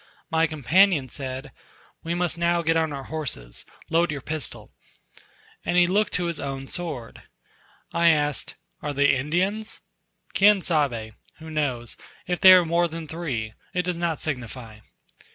My companion said, "We must now get on our horses: load your pistol;" and he looked to his own sword. I asked, "Are they Indians?" "Quien sabe? (who knows?) if there are no more than three, it does not signify."